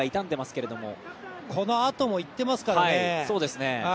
このあとも行ってますからね。